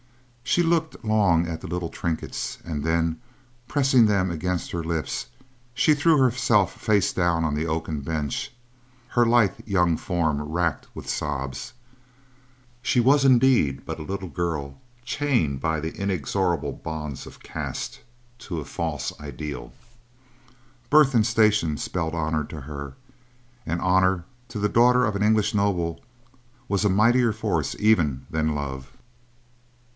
She looked long at the little trinkets and then, pressing them against her lips, she threw herself face down upon an oaken bench, her lithe young form racked with sobs. She was indeed but a little girl chained by the inexorable bonds of caste to a false ideal. Birth and station spelled honor to her, and honor, to the daughter of an English noble, was a mightier force even than love.